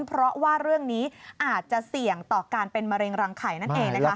เพราะว่าเรื่องนี้อาจจะเสี่ยงต่อการเป็นมะเร็งรังไข่นั่นเอง